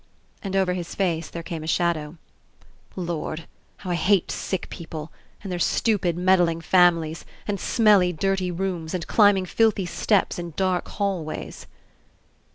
And over his face there came a shadow. *'Lord! how I hate sick people, and their stupid, meddling families, and smelly, dirty rooms, and climbing filthy steps In dark hallways."